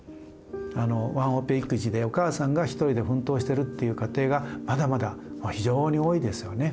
あのワンオペ育児でお母さんが一人で奮闘してるっていう家庭がまだまだ非常に多いですよね。